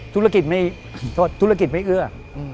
ธุรกิจไม่เอื้อ